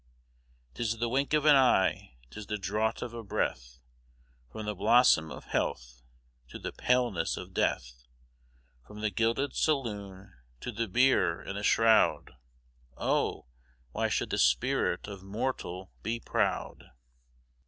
'Tis the wink of an eye,'tis the draught of a breath, From the blossom of health to the paleness of death, From the gilded saloon to the bier and the shroud, Oh! why should the spirit of mortal be proud?'"